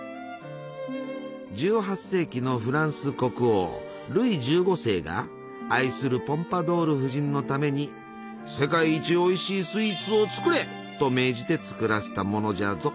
１８世紀のフランス国王ルイ１５世が愛するポンパドール夫人のために「世界一おいしいスイーツを作れ！」と命じて作らせたものじゃぞ。